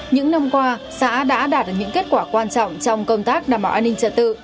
những năm qua xã đã đạt được những kết quả quan trọng trong công tác đảm bảo an ninh trật tự